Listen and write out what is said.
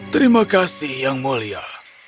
terima kasih yang mulia